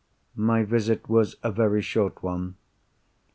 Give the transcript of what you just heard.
My visit was a very short one.